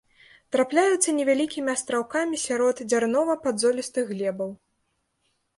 Трапляюцца невялікімі астраўкамі сярод дзярнова-падзолістых глебаў.